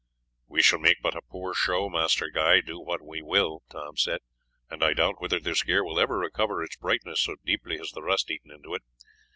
"We shall make but a poor show, Master Guy, do what we will," Tom said; "and I doubt whether this gear will ever recover its brightness, so deeply has the rust eaten into it.